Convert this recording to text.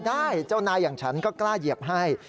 เจ้านายอย่างฉันก็กล้าเหยียบให้